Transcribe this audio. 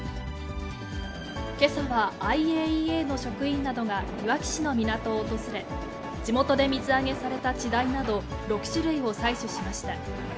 けさはＩＡＥＡの職員などがいわき市の港を訪れ、地元で水揚げされたチダイなど、６種類を採取しました。